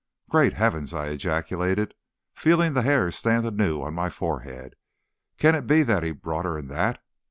"Great heavens!" I ejaculated, feeling the hair stir anew on my forehead. "Can it be that he brought her in that?